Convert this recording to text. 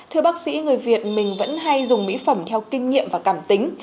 thưa bác sĩ người việt mình vẫn hay dùng mỹ phẩm theo kinh nghiệm và cảm tính